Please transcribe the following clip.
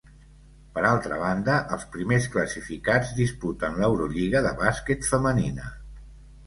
Per altra banda, els primers classificats disputen l'Eurolliga de bàsquet femenina.